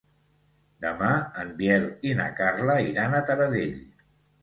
Demà en Biel i na Carla iran a Taradell.